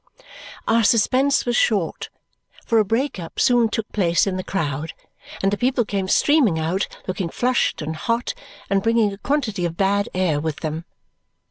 Our suspense was short, for a break up soon took place in the crowd, and the people came streaming out looking flushed and hot and bringing a quantity of bad air with them.